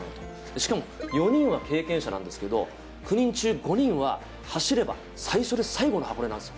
しかも４人は経験者なんですけど、９人中５人は、走れば最初で最後の箱根なんですよ。